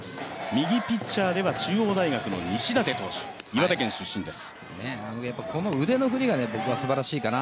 右ピッチャーでは中央大学の西舘投手です。